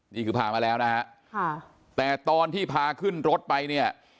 นี่คือพามาแล้วนะฮะค่ะแต่ตอนที่พาขึ้นรถไปเนี่ย